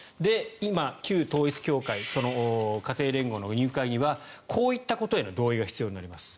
今、旧統一教会家庭連合の入会にはこういったことへの同意が必要になります。